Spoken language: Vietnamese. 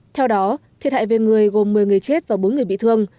theo đó thiệt hại về người gồm một mươi người chết và bốn người bị thương